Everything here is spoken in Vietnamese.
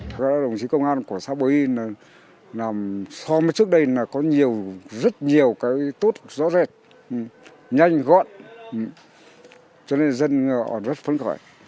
các đồng chí công an của xã bờ y so với trước đây là có nhiều rất nhiều cái tốt rõ rệt nhanh gọn cho nên dân họ rất phấn khởi